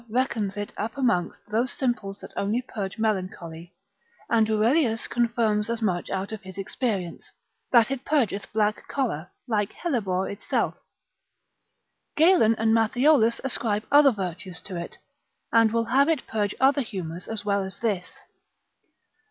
reckons it up amongst those simples that only purge melancholy, and Ruellius confirms as much out of his experience, that it purgeth black choler, like hellebore itself. Galen, lib. G. simplic. and Matthiolus ascribe other virtues to it, and will have it purge other humours as well as this.